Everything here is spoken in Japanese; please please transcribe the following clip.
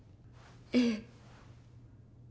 ええ。